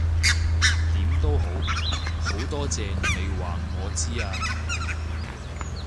點都好，好多謝你話我知啊